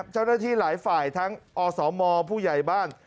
เจ้าหน้าที่หลายฝ่ายทั้งอสมผู้ใหญ่บ้าน